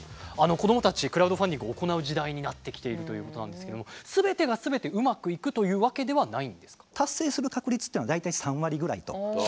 子どもたちクラウドファンディングを行う時代になってきているということなんですけどもすべてがすべてうまくいくというわけではないんですか？